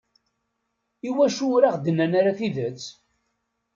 Iwacu ur aɣ-d-nnan ara tidet?